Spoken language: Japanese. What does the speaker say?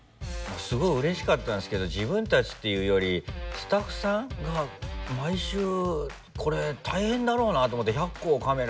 すごいうれしかったんですけど自分たちっていうよりスタッフさんが毎週これ大変だろうなと思って。